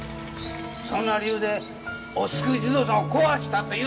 そんな理由でお救い地蔵さんを壊したというんか！